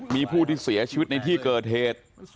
มีผู้ที่เสียชีวิตในที่เกิดเหตุ